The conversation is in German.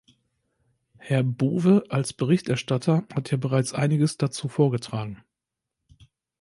Herr Bowe als Berichterstatter hat ja bereits einiges dazu vorgetragen.